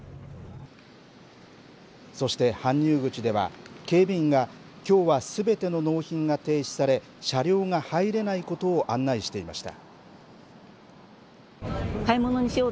そして搬入口では警備員がきょうはすべての納品が停止され車両が入れないことを案内していました。